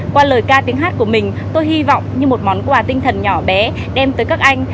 qua lời ca tiếng hát của mình tôi hy vọng như một món quà tinh thần nhỏ bé đem tới các anh